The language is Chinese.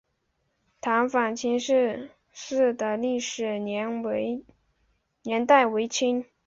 塘坊清真寺的历史年代为清。